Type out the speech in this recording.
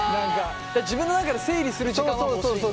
自分の中で整理する時間は欲しいんだ。